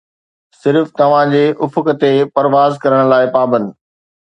صرف توهان جي افق تي پرواز ڪرڻ لاء پابند